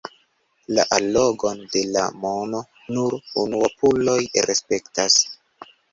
La allogon de la mono nur unuopuloj respektas.